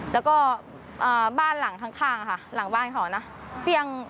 แล้วก็บ้านหลังข้างค่ะหลังบ้านเขานะ